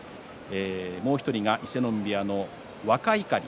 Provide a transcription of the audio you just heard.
もう１人は伊勢ノ海部屋の若碇。